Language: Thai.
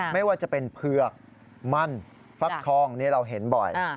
ไม่ว่าจะเป็นเผือกมั่นฟักทองนี่เราเห็นบ่อย